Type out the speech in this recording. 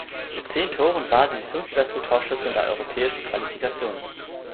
Mit zehn Toren war sie fünftbeste Torschützin der europäischen Qualifikation.